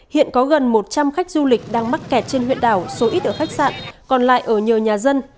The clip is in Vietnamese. hiện có gần một trăm linh khách du lịch đang mắc kẹt trên huyện đảo số ít ở khách sạn còn lại ở nhiều nhà dân